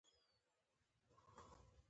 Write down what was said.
دویم پړاو د سمبولیکو اعتراضونو له کچې څخه اوړي.